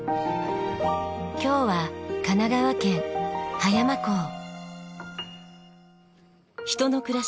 今日は神奈川県葉山港。